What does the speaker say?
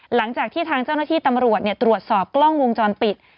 หลังจากที่ทางเจ้าหน้าที่ตำรวจตรวจสอบกล้องวงจรปิด